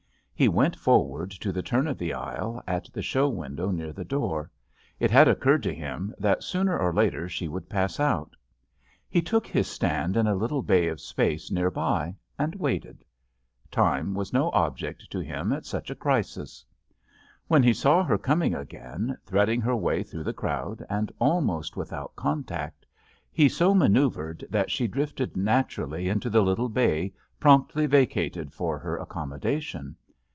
He went forward to the turn of the aisle at the show window near the door. It had occurred to him that sooner or later she would pass out. He took his stand in a little bay of space nearby and waited. Time was i;io object to him at such a crisis. When he saw her coming again, threading her way through the crowd and almost with out contact, he so maneuvered that she drifted naturally into the little bay promptly vacated for her accommodation.